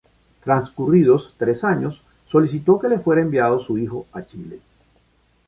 Transcurridos tres años solicitó que le fuera enviado su hijo a Chile.